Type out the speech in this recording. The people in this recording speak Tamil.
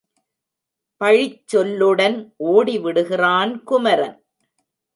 பழிச்சொல்லுடன் ஓடிவிடுகிறான் குமரன்.